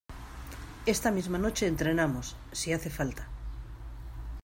esta misma noche entrenamos, si hace falta.